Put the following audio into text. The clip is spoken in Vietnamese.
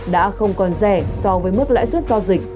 đã không còn rẻ so với mức lãi suất giao dịch